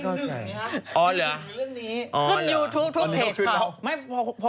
ขึ้นยูทูปทุกเพจเขา